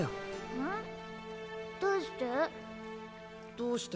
どうして？